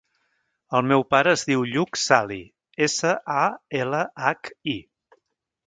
El meu pare es diu Lluc Salhi: essa, a, ela, hac, i.